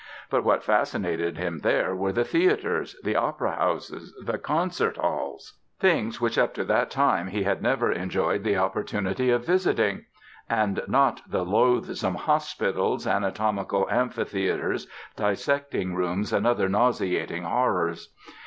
But what fascinated him there were the theatres, the opera houses, the concert halls—things which up to that time he had never enjoyed the opportunity of visiting—and not the loathsome hospitals, anatomical amphitheatres, dissecting rooms and other nauseating horrors.